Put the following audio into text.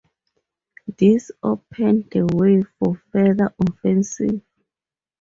This opened the way for further offensive.